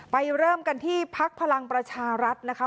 เริ่มกันที่พักพลังประชารัฐนะคะ